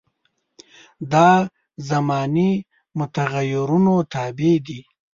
دا زماني متغیرونو تابع دي.